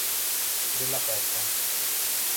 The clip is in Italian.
Della Porta